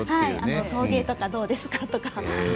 陶芸とかどうですか？とかね。